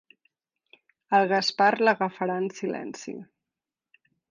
El Gaspar l'agafarà en silenci.